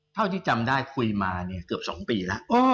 เท่าที่จำได้คุยมาเนี่ยเกือบ๒ปีแล้ว